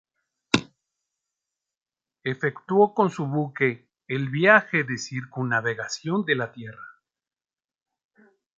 Efectuó con su buque el viaje de circunnavegación a la tierra.